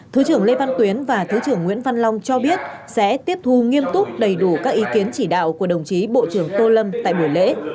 thứ trưởng lê văn tuyến và thứ trưởng nguyễn văn long cho biết sẽ tiếp thu nghiêm túc đầy đủ các ý kiến chỉ đạo của đồng chí bộ trưởng tô lâm tại buổi lễ